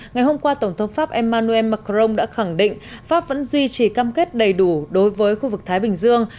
ngày hôm qua tổng thống pháp emmanuel macron đã khẳng định pháp vẫn duy trì cam kết đầy đủ đối với khu vực thái bình dương